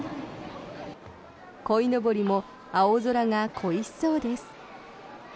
こいのぼりも青空が恋しそうです。